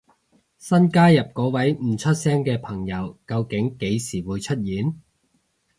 新加入嗰位唔出聲嘅朋友究竟幾時會出現？